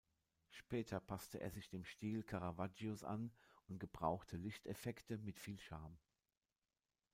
Später passte er sich dem Stil Caravaggios an und gebrauchte Lichteffekte mit viel Charme.